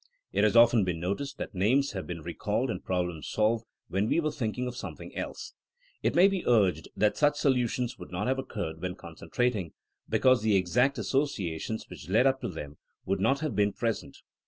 It has often been noticed that names have been recalled and problems solved when we were thinking of something else. It may be urged that such solutions would not have occurred when concentrating, because the exact associa tions which led up to them would not have been present.